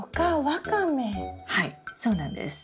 はいそうなんです。